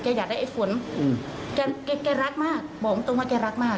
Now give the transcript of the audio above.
อยากได้ไอ้ฝนแกรักมากบอกตรงตรงว่าแกรักมาก